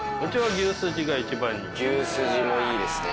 牛すじもいいですね。